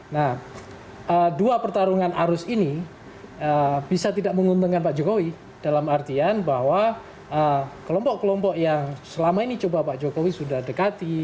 nah dua pertarungan arus ini bisa tidak menguntungkan pak jokowi dalam artian bahwa kelompok kelompok yang selama ini coba pak jokowi sudah dekati